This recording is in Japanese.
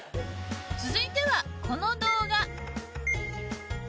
続いてはこの動画。